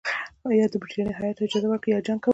یا د برټانیې هیات ته اجازه ورکړئ یا جنګ کوو.